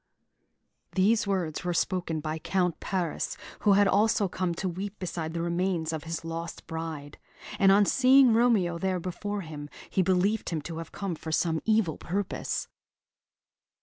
These words were spoken by Count Paris, who had also come to weep beside the remains of his lost bride; and on seeing Romeo there before him, he believed him to have come for some evil purpose.